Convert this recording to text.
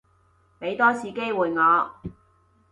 畀多次機會我